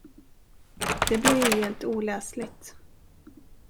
Det blev ju helt oläsligt.